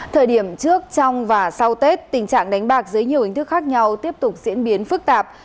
thời điểm trước trong và sau tết tình trạng đánh bạc dưới nhiều hình thức khác nhau tiếp tục diễn biến phức tạp